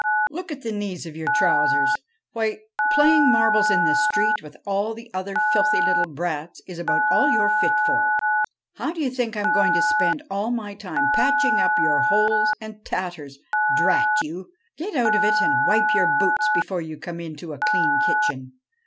Look at the knees of your trousers ; why, playing marbles in the street with all the other filthy little brats is about all you 're fit for. How d' you think I 'm going to spend all my time patching up your holes and tatters? Drat you ! Get out of it and wipe your boots before you come into a clean kitchen.